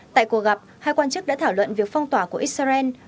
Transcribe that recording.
tại cuộc gặp hai quan chức đã thảo luận việc phong tỏa của israel